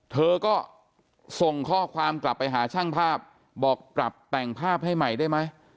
เธอก็ส่งข้อความกลับไปหาช่างภาพบอกปรับแต่งภาพให้ใหม่ได้ไหม